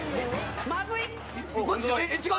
まずい！